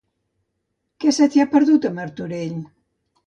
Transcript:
Què se t'hi ha perdut, a Martorell?